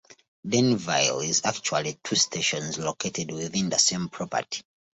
Denville is actually two stations located within the same property.